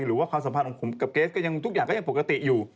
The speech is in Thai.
หรือว่าความสัมภาษณ์ของผมกับเกฟต์ทุกอย่างก็ยังปกติอยู่